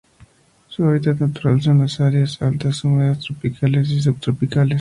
Su hábitat natural son las áreas altas húmedas tropicales y subtropicales.